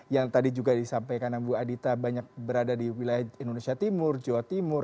yang tadi juga disampaikan bu adita banyak berada di wilayah indonesia timur jawa timur